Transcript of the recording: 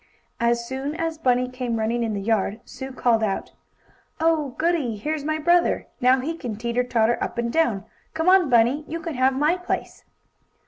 As soon as Bunny came running in the yard, Sue called out: "Oh, goodie! Here's my brother. Now he can teeter tauter up and down. Come on, Bunny, you can have my place!"